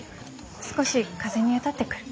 少し風に当たってくる。